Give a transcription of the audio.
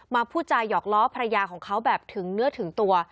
พูดจาหยอกล้อภรรยาของเขาแบบถึงเนื้อถึงตัว